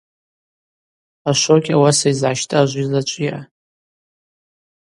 Ашвокь ауаса йызгӏащтӏажвжьыз ачӏвыйа.